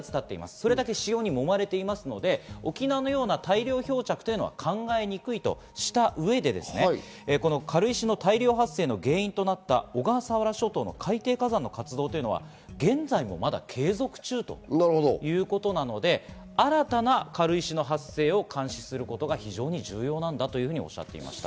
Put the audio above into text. それだけ潮にもまれているので、沖縄のような大量漂着は考えにくいとした上で軽石の大量発生の原因となった小笠原諸島の海底火山の活動は現在もまだ継続中ということなので新たな軽石の発生を監視することが非常に重要なんだとおっしゃっていました。